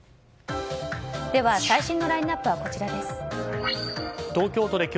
最新のラインアップはこちらです。